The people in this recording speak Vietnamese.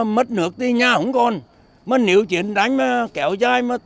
bắt miên áp